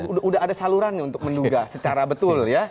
sudah ada salurannya untuk menduga secara betul ya